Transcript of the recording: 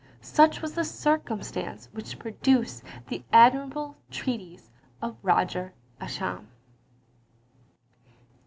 Such was the circumstance which produced the admirable treatise of Roger Ascham.